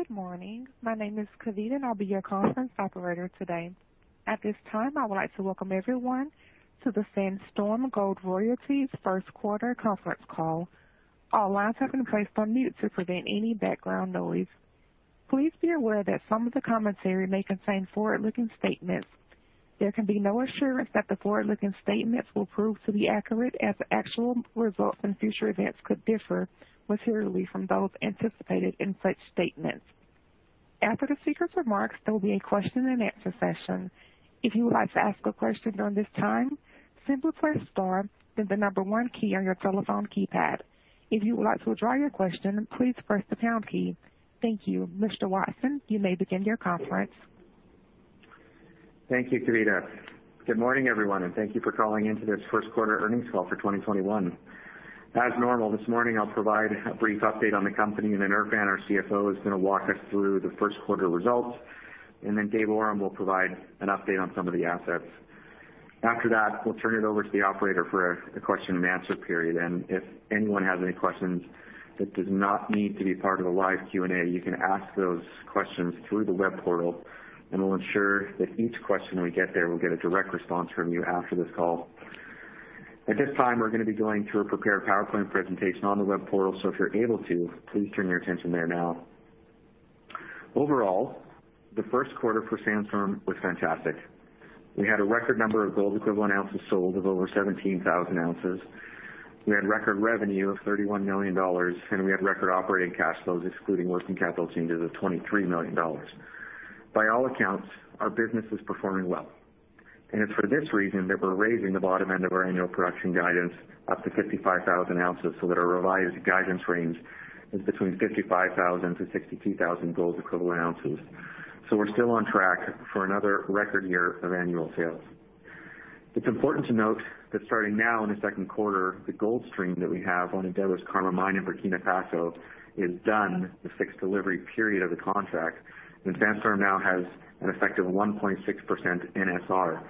Good morning? My name is Corita, and I'll be your conference operator today. At this time, I would like to welcome everyone to the Sandstorm Gold Royalties first quarter conference call. All lines have been placed on mute to prevent any background noise. Please be aware that some of the commentary may contain forward-looking statements. There can be no assurance that the forward-looking statements will prove to be accurate as actual results and future events could differ materially from those anticipated in such statements. After the speakers' remarks, there will be a question-and-answer session. If you would like to ask a question during this time, simply press star, then the number one key on your telephone keypad. If you would like to withdraw your question, please press the pound key. Thank you. Mr. Watson, you may begin your conference. Thank you, Corita. Good morning, everyone, and thank you for calling in to this first quarter earnings call for 2021. As normal, this morning I'll provide a brief update on the company, and then Erfan, our Chief Financial Officer, is going to walk us through the first quarter results, and then David Awram will provide an update on some of the assets. After that, we'll turn it over to the operator for a question-and-answer period. If anyone has any questions that does not need to be part of the live Q&A, you can ask those questions through the web portal, and we'll ensure that each question we get there will get a direct response from you after this call. At this time, we're going to be going through a prepared PowerPoint presentation on the web portal, so if you're able to, please turn your attention there now. Overall, the first quarter for Sandstorm was fantastic. We had a record number of gold equivalent ounces sold of over 17,000 ounces. We had record revenue of $31 million, and we had record operating cash flows, excluding working capital changes, of $23 million. By all accounts, our business is performing well. It's for this reason that we're raising the bottom end of our annual production guidance up to 55,000 ounces, so that our revised guidance range is between 55,000 gold equivalent ounces to 62,000 gold equivalent ounces. We're still on track for another record year of annual sales. It's important to note that starting now in the second quarter, the gold stream that we have on Endeavour's Karma mine in Burkina Faso is done, the fixed delivery period of the contract, and Sandstorm now has an effective 1.6% NSR.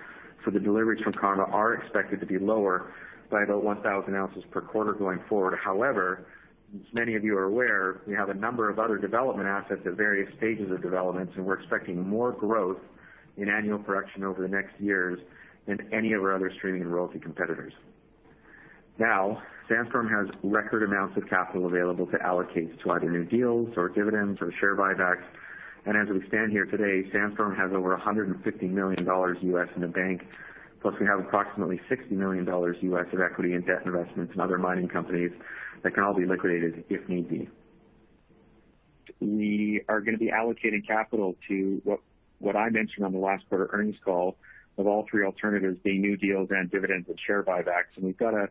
The deliveries from Karma are expected to be lower by about 1,000 ounces per quarter going forward. However, as many of you are aware, we have a number of other development assets at various stages of development, and we're expecting more growth in annual production over the next years than any of our other streaming and royalty competitors. Sandstorm has record amounts of capital available to allocate to either new deals or dividends or share buybacks. As we stand here today, Sandstorm has over $150 million in the bank. Plus, we have approximately $60 million of equity and debt investments in other mining companies that can all be liquidated if need be. We are going to be allocating capital to what I mentioned on the last quarter earnings call of all three alternatives, being new deals and dividends and share buybacks. We've got a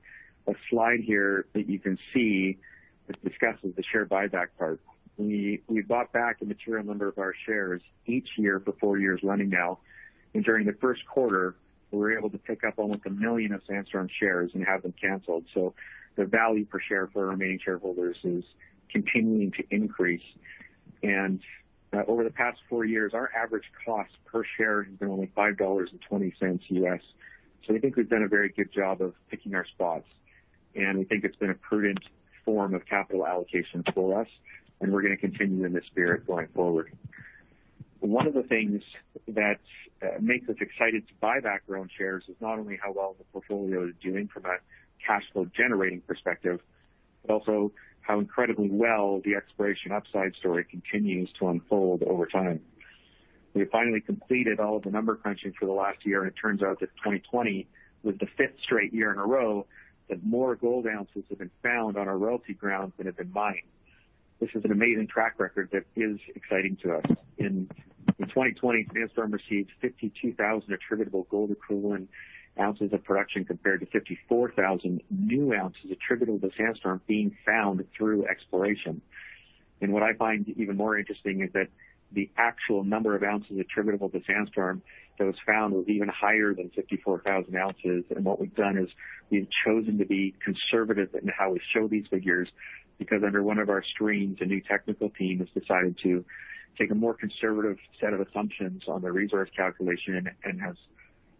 slide here that you can see that discusses the share buyback part. We bought back a material number of our shares each year for four years running now. During the first quarter, we were able to pick up almost a million of Sandstorm shares and have them canceled. The value per share for our remaining shareholders is continuing to increase. Over the past four years, our average cost per share has been only $5.20. We think we've done a very good job of picking our spots, and we think it's been a prudent form of capital allocation for us, and we're going to continue in this spirit going forward. One of the things that makes us excited to buy back our own shares is not only how well the portfolio is doing from a cash flow generating perspective, but also how incredibly well the exploration upside story continues to unfold over time. It turns out that 2020 was the fifth straight year in a row that more gold ounces have been found on our royalty grounds than have been mined. This is an amazing track record that is exciting to us. In 2020, Sandstorm received 52,000 attributable gold equivalent ounces of production compared to 54,000 new ounces attributable to Sandstorm being found through exploration. What I find even more interesting is that the actual number of ounces attributable to Sandstorm that was found was even higher than 54,000 ounces. What we've done is we've chosen to be conservative in how we show these figures, because under one of our streams, a new technical team has decided to take a more conservative set of assumptions on the resource calculation and has,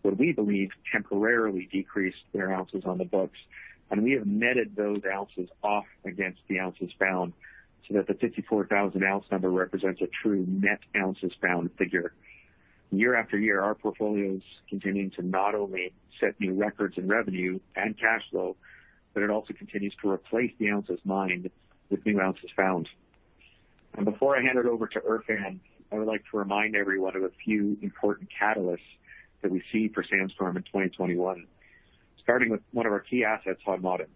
what we believe, temporarily decreased their ounces on the books. We have netted those ounces off against the ounces found so that the 54,000 ounce number represents a true net ounces found figure. Year after year, our portfolio's continuing to not only set new records in revenue and cash flow, but it also continues to replace the ounces mined with new ounces found. Before I hand it over to Erfan, I would like to remind everyone of a few important catalysts that we see for Sandstorm in 2021, starting with one of our key assets, Hod Maden.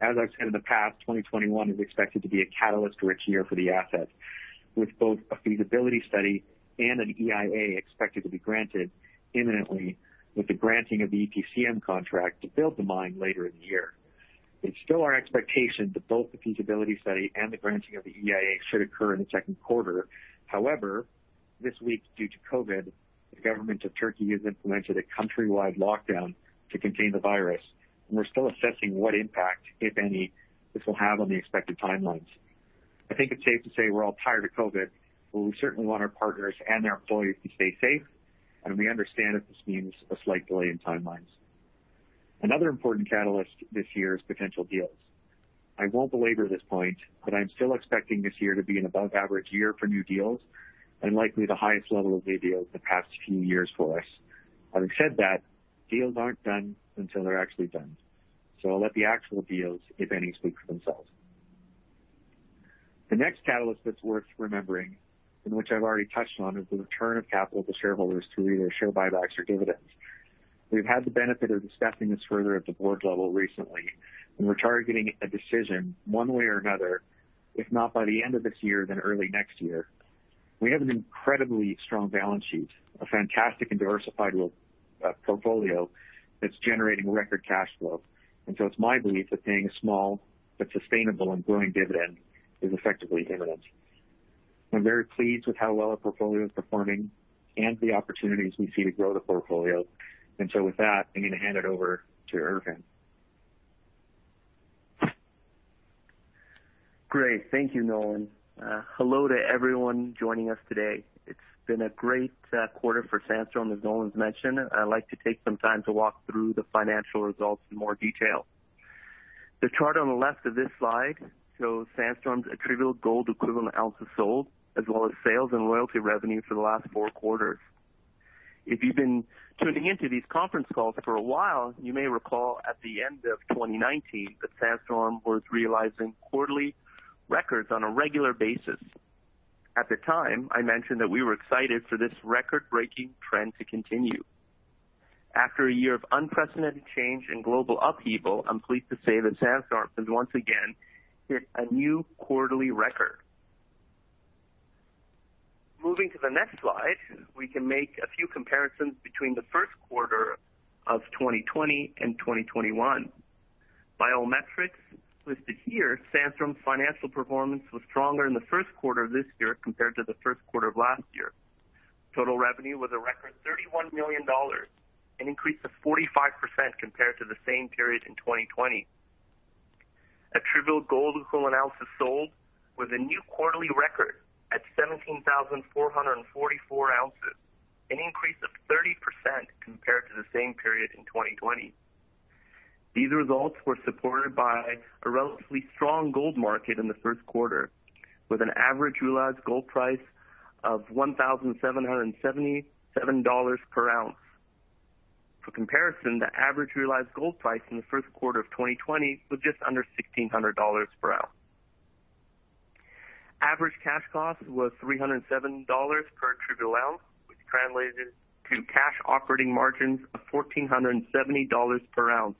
As I've said in the past, 2021 is expected to be a catalyst-rich year for the asset, with both a feasibility study and an EIA expected to be granted imminently, with the granting of the EPCM contract to build the mine later in the year. It's still our expectation that both the feasibility study and the granting of the EIA should occur in the second quarter. However, this week, due to COVID, the Government of Turkey has implemented a countrywide lockdown to contain the virus, and we're still assessing what impact, if any, this will have on the expected timelines. I think it's safe to say we're all tired of COVID, but we certainly want our partners and their employees to stay safe, and we understand if this means a slight delay in timelines. Another important catalyst this year is potential deals. I won't belabor this point, but I'm still expecting this year to be an above average year for new deals and likely the highest level of new deals in the past few years for us. Having said that, deals aren't done until they're actually done, so I'll let the actual deals, if any, speak for themselves. The next catalyst that's worth remembering, and which I've already touched on, is the return of capital to shareholders through either share buybacks or dividends. We've had the benefit of discussing this further at the board level recently, and we're targeting a decision one way or another, if not by the end of this year, then early next year. We have an incredibly strong balance sheet, a fantastic and diversified portfolio that's generating record cash flow. It's my belief that paying a small but sustainable and growing dividend is effectively imminent. I'm very pleased with how well our portfolio is performing and the opportunities we see to grow the portfolio. With that, I'm going to hand it over to Erfan. Great. Thank you, Nolan. Hello to everyone joining us today. It's been a great quarter for Sandstorm, as Nolan's mentioned. I'd like to take some time to walk through the financial results in more detail. The chart on the left of this slide shows Sandstorm's attributable gold equivalent ounces sold, as well as sales and royalty revenue for the last four quarters. If you've been tuning in to these conference calls for a while, you may recall at the end of 2019 that Sandstorm was realizing quarterly records on a regular basis. At the time, I mentioned that we were excited for this record-breaking trend to continue. After a year of unprecedented change and global upheaval, I'm pleased to say that Sandstorm has once again hit a new quarterly record. Moving to the next slide, we can make a few comparisons between the first quarter of 2020 and 2021. By all metrics listed here, Sandstorm's financial performance was stronger in the first quarter of this year compared to the first quarter of last year. Total revenue was a record $31 million, an increase of 45% compared to the same period in 2020. Attributable gold equivalent ounces sold was a new quarterly record at 17,444 ounces, an increase of 30% compared to the same period in 2020. These results were supported by a relatively strong gold market in the first quarter, with an average realized gold price of $1,777 per ounce. For comparison, the average realized gold price in the first quarter of 2020 was just under $1,600 per ounce. Average cash cost was $307 per attributable ounce, which translated to cash operating margins of $1,470 per ounce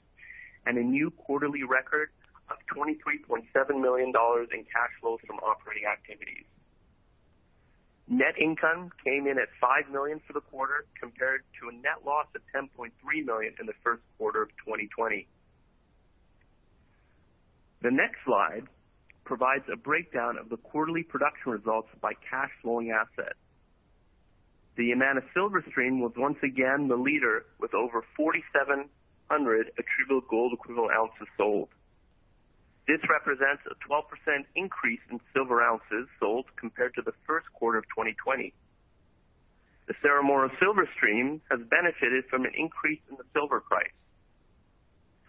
and a new quarterly record of $23.7 million in cash flows from operating activities. Net income came in at $5 million for the quarter, compared to a net loss of $10.3 million in the first quarter of 2020. The next slide provides a breakdown of the quarterly production results by cash flowing assets. The Yamana Silver Stream was once again the leader with over 4,700 attributable gold equivalent ounces sold. This represents a 12% increase in silver ounces sold compared to the first quarter of 2020. The Cerro Moro Silver Stream has benefited from an increase in the silver price.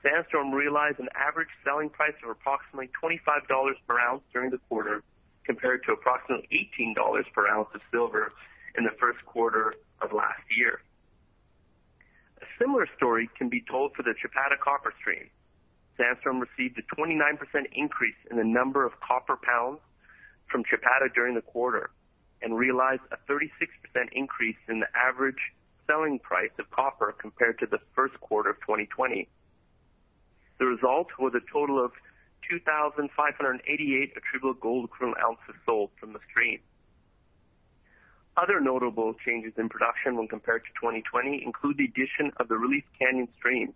Sandstorm realized an average selling price of approximately $25 per ounce during the quarter, compared to approximately $18 per ounce of silver in the first quarter of last year. A similar story can be told for the Chapada Copper Stream. Sandstorm received a 29% increase in the number of copper pounds from Chapada during the quarter and realized a 36% increase in the average selling price of copper compared to the first quarter of 2020. The results were the total of 2,588 attributable gold equivalent ounces sold from the stream. Other notable changes in production when compared to 2020 include the addition of the Relief Canyon stream,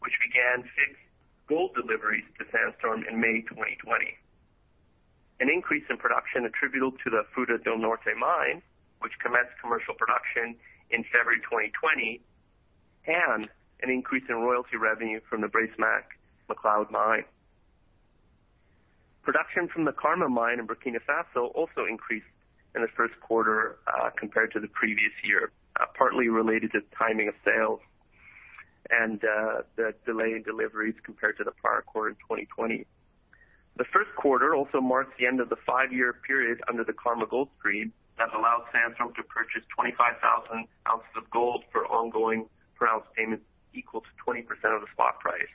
which began fixed gold deliveries to Sandstorm in May 2020. An increase in production attributable to the Fruta del Norte mine, which commenced commercial production in February 2020, and an increase in royalty revenue from the Bracemac-McLeod mine. Production from the Karma mine in Burkina Faso also increased in the first quarter compared to the previous year, partly related to timing of sales and the delay in deliveries compared to the prior quarter in 2020. The first quarter also marks the end of the five-year period under the Karma Gold Stream that allowed Sandstorm to purchase 25,000 ounces of gold for ongoing per-ounce payments equal to 20% of the spot price.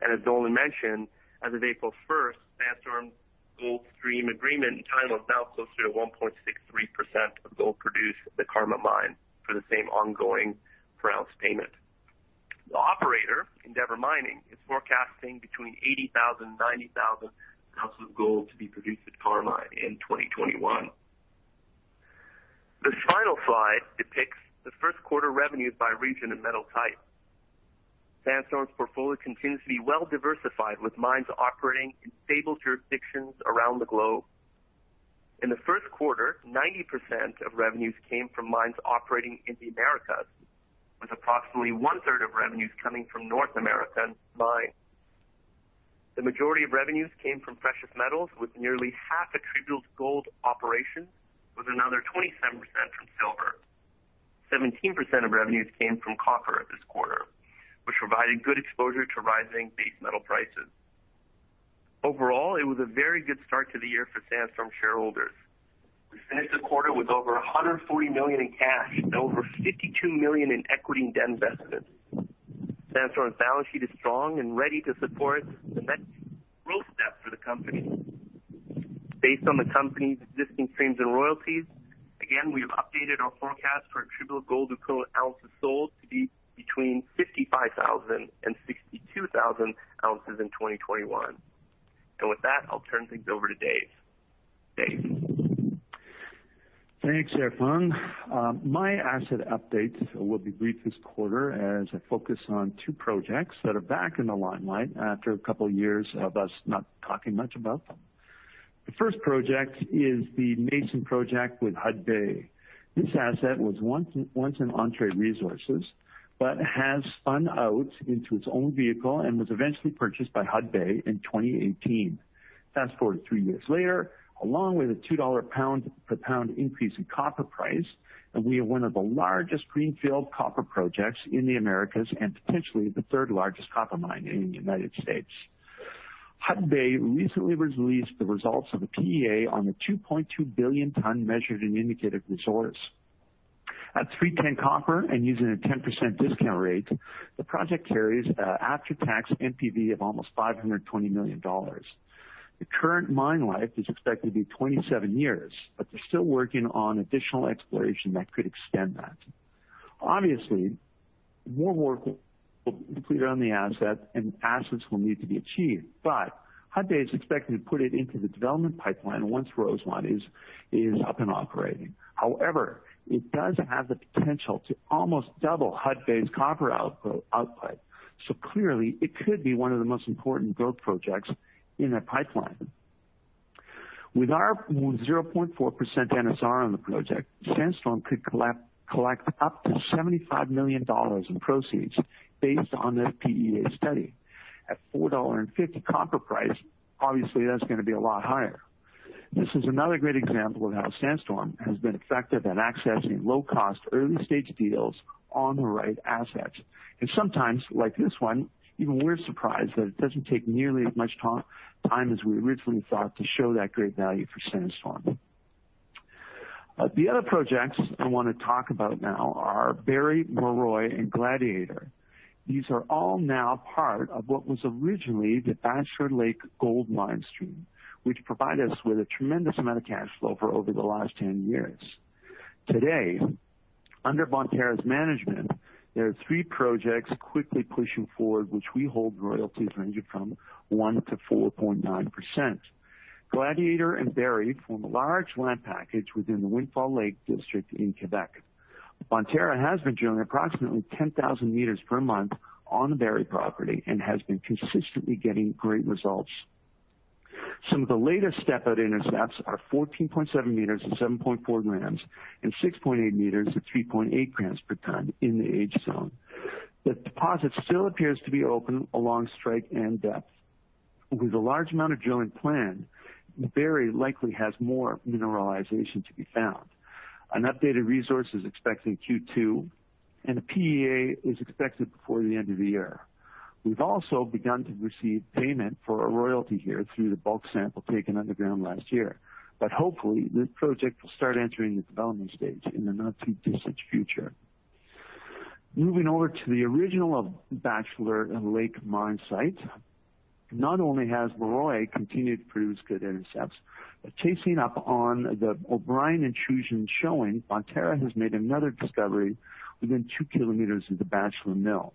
As Nolan mentioned, as of April 1, Sandstorm Gold Stream agreement entitles now closer to 1.63% of gold produced at the Karma mine for the same ongoing per-ounce payment. The operator, Endeavour Mining, is forecasting between 80,000 ounces-90,000 ounces of gold to be produced at Karma mine in 2021. This final slide depicts the first quarter revenues by region and metal type. Sandstorm's portfolio continues to be well diversified with mines operating in stable jurisdictions around the globe. In the first quarter, 90% of revenues came from mines operating in the Americas, with approximately 1/3 of revenues coming from North American mines. The majority of revenues came from precious metals with nearly half attributable to gold operations, with another 27% from silver. 17% of revenues came from copper this quarter, which provided good exposure to rising base metal prices. Overall, it was a very good start to the year for Sandstorm shareholders. We finished the quarter with over $140 million in cash and over $52 million in equity and debt investments. Sandstorm's balance sheet is strong and ready to support the next growth step for the company. Based on the company's existing streams and royalties, again, we've updated our forecast for attributable gold equivalent ounces sold to be between 55,000 ounces and 62,000 ounces in 2021. With that, I'll turn things over to Dave. Dave? Thanks, Erfan. My asset updates will be brief this quarter as I focus on two projects that are back in the limelight after a couple of years of us not talking much about them. The first project is the Mason project with Hudbay. This asset was once an Entrée Resources, has spun out into its own vehicle and was eventually purchased by Hudbay in 2018. Fast-forward three years later, along with a $2 per pound increase in copper price, we have one of the largest greenfield copper projects in the Americas and potentially the third largest copper mine in the U.S. Hudbay recently released the results of a PEA on the 2.2 billion ton measured and indicated resource. At $3.10 copper and using a 10% discount rate, the project carries a after-tax NPV of almost $520 million. The current mine life is expected to be 27 years, but they're still working on additional exploration that could extend that. Obviously, more work will be completed on the asset, and assets will need to be achieved. Hudbay is expecting to put it into the development pipeline once Rosemont is up and operating. However, it does have the potential to almost double Hudbay's copper output. Clearly it could be one of the most important growth projects in their pipeline. With our 0.4% NSR on the project, Sandstorm could collect up to $75 million in proceeds based on their PEA study. At $4.50 copper price, obviously that's going to be a lot higher. This is another great example of how Sandstorm has been effective at accessing low-cost early-stage deals on the right assets. Sometimes, like this one, even we're surprised that it doesn't take nearly as much time as we originally thought to show that great value for Sandstorm. The other projects I want to talk about now are Barry, Moroy, and Gladiator. These are all now part of what was originally the Bachelor Lake Gold Mine Stream, which provided us with a tremendous amount of cash flow for over the last 10 years. Today, under Bonterra's management, there are three projects quickly pushing forward, which we hold royalties ranging from 1%-4.9%. Gladiator and Barry form a large land package within the Windfall Lake district in Quebec. Bonterra has been drilling approximately 10,000 m per month on the Barry property and has been consistently getting great results. Some of the latest step-out intercepts are 14.7 m at 7.4 g and 6.8 m at 3.8 g per tonne in the H zone. The deposit still appears to be open along strike and depth. With a large amount of drilling planned, Barry likely has more mineralization to be found. An updated resource is expected in Q2, and a PEA is expected before the end of the year. We've also begun to receive payment for a royalty here through the bulk sample taken underground last year. Hopefully this project will start entering the development stage in the not-too-distant future. Moving over to the original Bachelor Lake mine site, not only has Moroy continued to produce good intercepts, but chasing up on the O'Brien Intrusion showing, Bonterra has made another discovery within 2 km of the Bachelor Mill.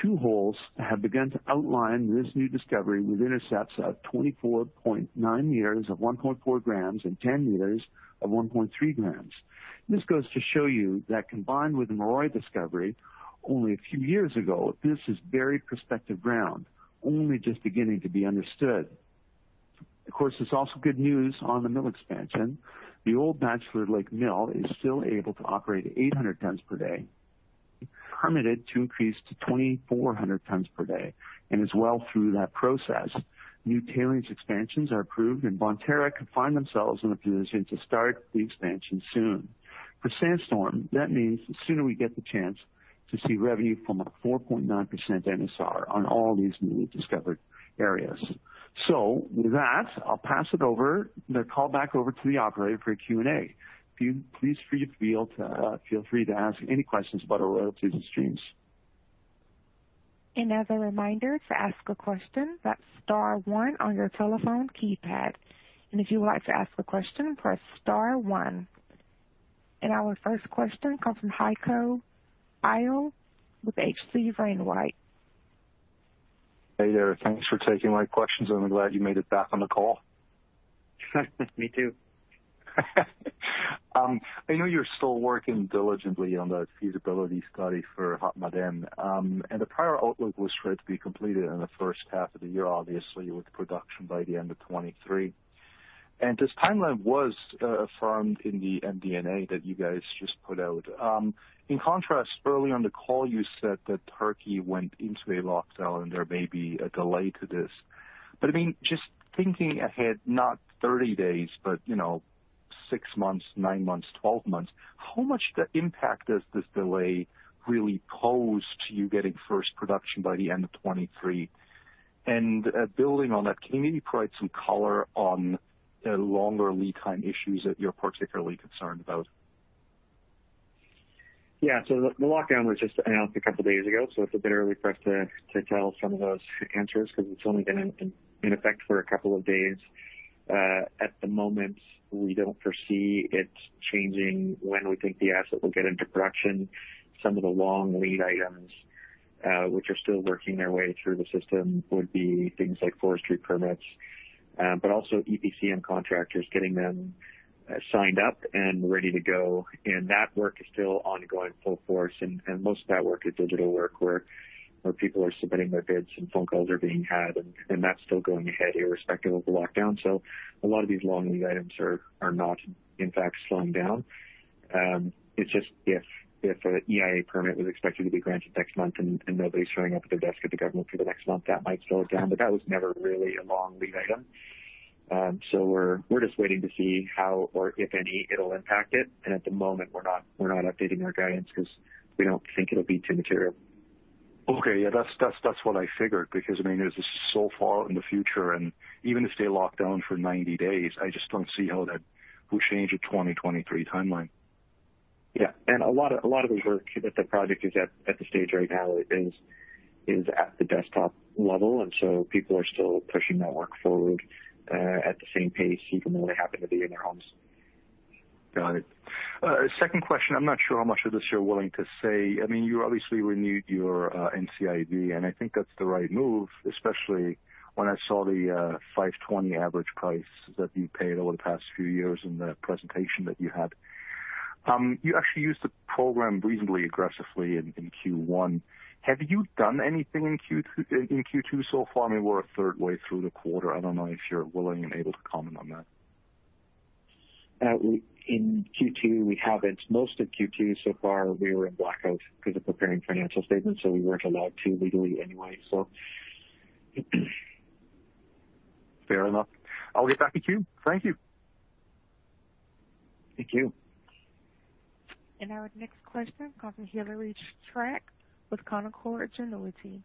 Two holes have begun to outline this new discovery with intercepts of 24.9 m of 1.4 g and 10 m of 1.3 g. This goes to show you that combined with the Moroy discovery only a few years ago, this is very prospective ground, only just beginning to be understood. Of course, there's also good news on the mill expansion. The old Bachelor Lake mill is still able to operate 800 tons per day, permitted to increase to 2,400 tons per day, and is well through that process. New tailings expansions are approved, and Bonterra could find themselves in a position to start the expansion soon. For Sandstorm, that means the sooner we get the chance to see revenue from our 4.9% NSR on all these newly discovered areas. With that, I'll pass it over the call back over to the operator for Q&A. Please feel free to ask any questions about our royalties and streams. As a reminder, to ask a question, that's star one on your telephone keypad. If you would like to ask a question, press star one. Our first question comes from Heiko Ihle with H.C. Wainwright. Hey there. Thanks for taking my questions. I'm glad you made it back on the call. Me too. I know you're still working diligently on the feasibility study for Hod Maden. The prior outlook was for it to be completed in the first half of the year, obviously with production by the end of 2023. This timeline was affirmed in the MD&A that you guys just put out. In contrast, early on the call, you said that Turkey went into a lockdown, and there may be a delay to this. Just thinking ahead, not 30 days, but 6 months, 9 months, 12 months, how much impact does this delay really pose to you getting first production by the end of 2023? Building on that, can you maybe provide some color on the longer lead time issues that you're particularly concerned about? Yeah. The lockdown was just announced a couple of days ago, so it's a bit early for us to tell some of those answers because it's only been in effect for a couple of days. At the moment, we don't foresee it changing when we think the asset will get into production. Some of the long lead items, which are still working their way through the system, would be things like forestry permits. Also EPCM contractors, getting them signed up and ready to go, and that work is still ongoing full force. Most of that work is digital work, where people are submitting their bids and phone calls are being had, and that's still going ahead irrespective of the lockdown. A lot of these long lead items are not, in fact, slowing down. It's just if an EIA permit was expected to be granted next month and nobody's showing up at their desk at the government for the next month, that might slow it down. That was never really a long lead item. We're just waiting to see how or if any it'll impact it. At the moment, we're not updating our guidance because we don't think it'll be too material. Okay. Yeah, that's what I figured because, it is so far in the future, and even if they lockdown for 90 days, I just don't see how that would change a 2023 timeline. Yeah. A lot of the work that the project is at the stage right now is at the desktop level. People are still pushing that work forward, at the same pace, even though they happen to be in their homes. Got it. Second question. I'm not sure how much of this you're willing to say. You obviously renewed your NCIB, and I think that's the right move, especially when I saw the $5.20 average price that you paid over the past few years in the presentation that you had. You actually used the program reasonably aggressively in Q1. Have you done anything in Q2 so far? We're a third way through the quarter. I don't know if you're willing and able to comment on that. In Q2, we haven't. Most of Q2 so far, we were in blackout because of preparing financial statements, so we weren't allowed to legally anyway. Fair enough. I'll get back in queue. Thank you. Thank you. Our next question comes from Hilary Strack with Canaccord Genuity.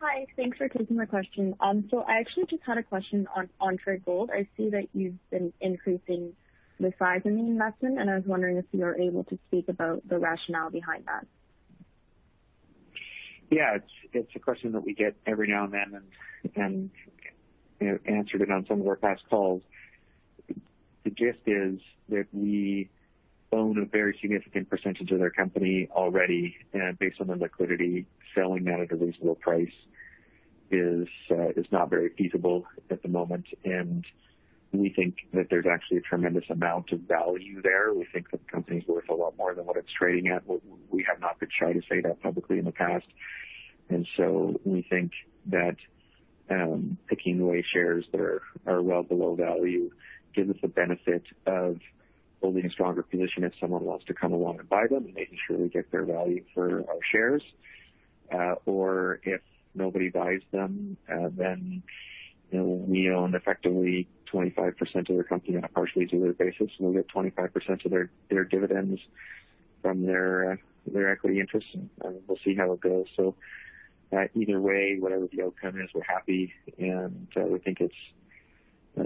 Hi. Thanks for taking my question. I actually just had a question on Entrée Resources. I see that you've been increasing the size of the investment, and I was wondering if you were able to speak about the rationale behind that. Yeah. It's a question that we get every now and then and answered it on some of our past calls. The gist is that we own a very significant percentage of their company already, and based on the liquidity, selling that at a reasonable price is not very feasible at the moment. We think that there's actually a tremendous amount of value there. We think that the company's worth a lot more than what it's trading at, but we have not been shy to say that publicly in the past. We think that picking away shares that are well below value gives us the benefit of holding a stronger position if someone wants to come along and buy them and making sure we get fair value for our shares. If nobody buys them, then we own effectively 25% of their company on a partially diluted basis. We'll get 25% of their dividends from their equity interest, and we'll see how it goes. Either way, whatever the outcome is, we're happy, and we think it's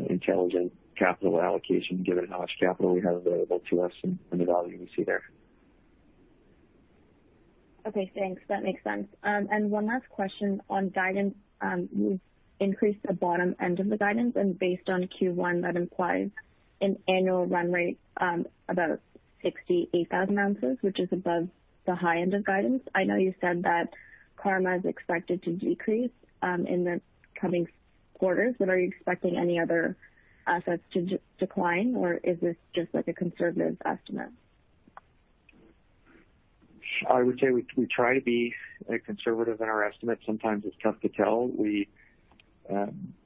intelligent capital allocation given how much capital we have available to us and the value we see there. Okay, thanks. That makes sense. One last question on guidance. You've increased the bottom end of the guidance and based on Q1, that implies an annual run rate, about 68,000 ounces, which is above the high end of guidance. I know you said that Karma is expected to decrease in the coming quarters, but are you expecting any other assets to decline, or is this just like a conservative estimate? I would say we try to be conservative in our estimates. Sometimes it's tough to tell.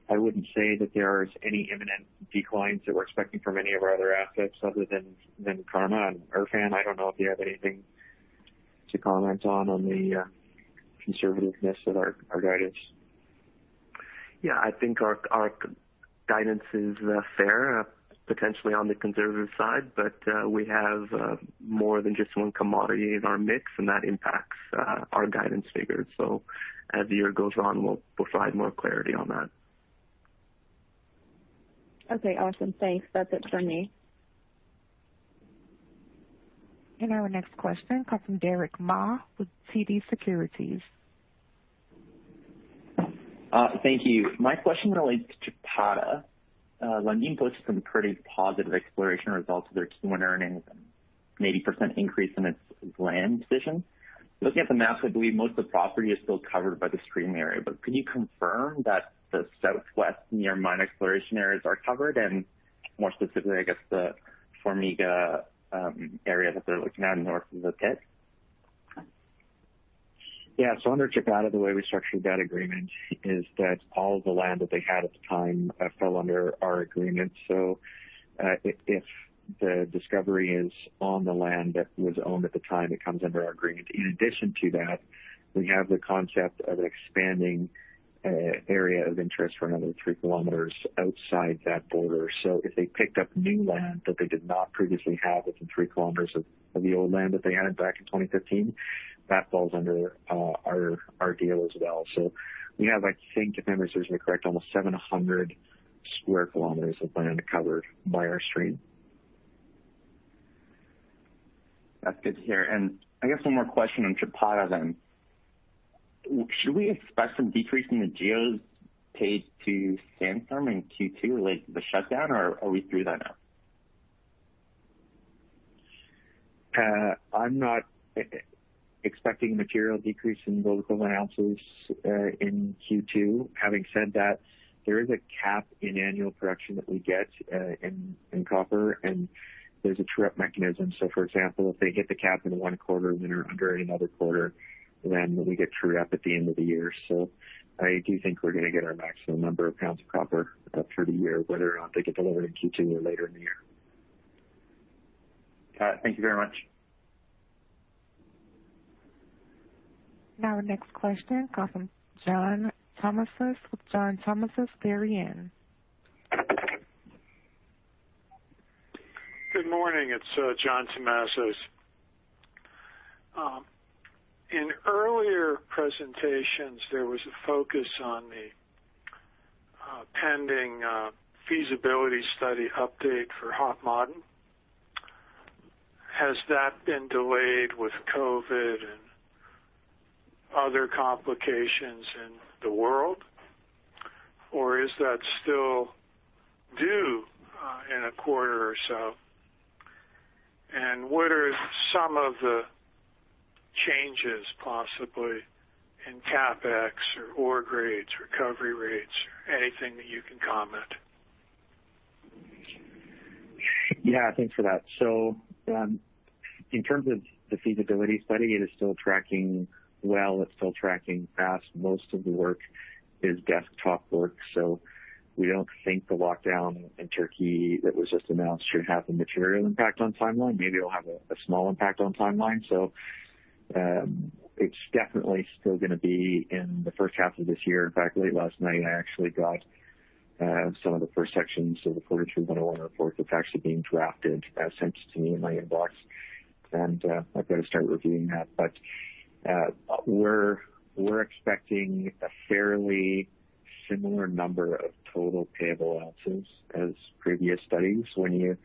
I wouldn't say that there's any imminent declines that we're expecting from any of our other assets other than Karma. Erfan, I don't know if you have anything to comment on the conservativeness of our guidance. I think our guidance is fair, potentially on the conservative side, but we have more than just one commodity in our mix, and that impacts our guidance figures. As the year goes on, we'll provide more clarity on that. Okay, awesome. Thanks. That's it from me. Our next question comes from Derick Ma with TD Securities. Thank you. My question relates to PEA. Lundin posted some pretty positive exploration results with their Q1 earnings and an 80% increase in its land position. Looking at the map, I believe most of the property is still covered by the stream area, but could you confirm that the southwest near mine exploration areas are covered and more specifically, I guess the Formiga area that they're looking at north of the pit? Yeah. Under Chapada, the way we structured that agreement is that all the land that they had at the time fell under our agreement. If the discovery is on the land that was owned at the time, it comes under our agreement. In addition to that, we have the concept of expanding area of interest for another three kilometers outside that border. If they picked up new land that they did not previously have within 3 km of the old land that they had back in 2015, that falls under our deal as well. We have, I think, if memory serves me correct, almost 700 sq km of land covered by our stream. That's good to hear. I guess one more question on Chapada. Should we expect some decrease in the GEOS paid to Sandstorm in Q2 related to the shutdown, or are we through that now? I'm not expecting a material decrease in gold equivalent ounces in Q2. Having said that, there is a cap in annual production that we get in copper, and there's a true-up mechanism. For example, if they hit the cap in one quarter and they're under in another quarter, we get true up at the end of the year. I do think we're going to get our maximum number of pounds of copper through the year, whether or not they get delivered in Q2 or later in the year. Thank you very much. Our next question comes from John Tumazos with Very In. Good morning? It's John Tumazos. In earlier presentations, there was a focus on the pending feasibility study update for Hod Maden. Has that been delayed with COVID and other complications in the world, or is that still due in a quarter or so? What are some of the changes possibly in CapEx or ore grades, recovery rates, or anything that you can comment? Yeah, thanks for that. John, in terms of the feasibility study, it is still tracking well. It's still tracking fast. Most of the work is desktop work, so we don't think the lockdown in Turkey that was just announced should have a material impact on timeline. Maybe it'll have a small impact on timeline. It's definitely still going to be in the first half of this year. In fact, late last night, I actually got some of the first sections of the 43-101 report that's actually being drafted sent to me in my inbox, and I've got to start reviewing that. We're expecting a fairly similar number of total payable ounces as previous studies. When you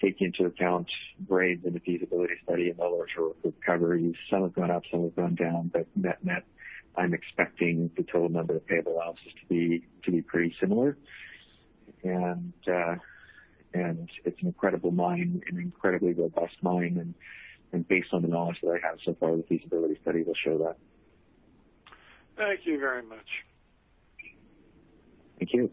take into account grades in the feasibility study and the ore recovery, some have gone up, some have gone down. Net-net, I'm expecting the total number of payable ounces to be pretty similar. It's an incredible mine, an incredibly robust mine, and based on the knowledge that I have so far, the feasibility study will show that. Thank you very much. Thank you.